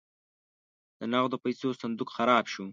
د نغدو پیسو صندوق خراب شو.